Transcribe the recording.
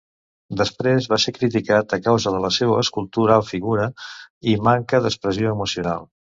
Després, va ser criticat a causa de la seua escultural figura i manca d'expressió emocional.